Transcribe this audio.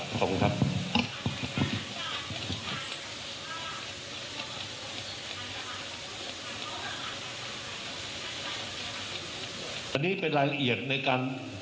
อันนี้เป็นรายละเอียดในการที่พนักงานสมสมรวมรวมลงแล้วสอบปากคำ